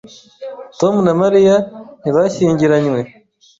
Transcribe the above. Tom na Mariya ntibashyingiranywe.